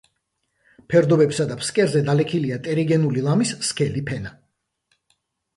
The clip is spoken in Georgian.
ფერდობებსა და ფსკერზე დალექილია ტერიგენული ლამის სქელი ფენა.